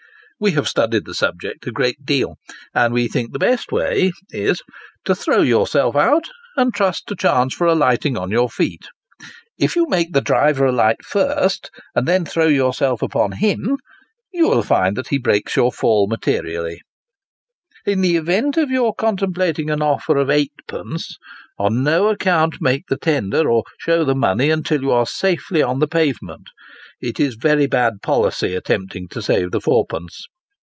We have studied the subject a great deal, and we think the best way is, to throw your self out, and trust to chance for alighting on your feet. If you make the driver alight first, and then throw yourself upon him, you will find that he breaks your fall materially. In the event of your contemplating an offer of eightpence, on no account make the tender, or show the money, until you are safely on the pavement. It is very bad policy attempting to save the fourpeuce.